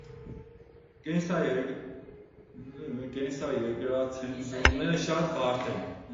Կենսաերկրացենոզները շատ բարդ են։